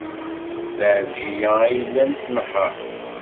D Ɛelǧiya ay yellan tnehheṛ.